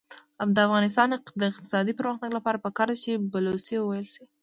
د افغانستان د اقتصادي پرمختګ لپاره پکار ده چې بلوڅي وویل شي.